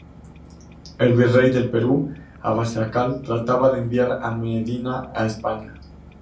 El virrey del Perú Abascal trataba de enviar a Medina a España.